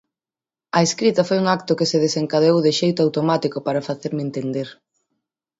A escrita foi un acto que se desencadeou de xeito automático para facerme entender.